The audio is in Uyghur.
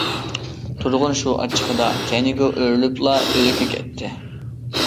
تۇرغۇن شۇ ئاچچىقىدا كەينىگە ئۆرۈلۈپلا ئۆيىگە كەتتى.